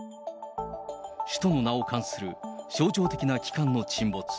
首都の名を冠する象徴的な旗艦の沈没。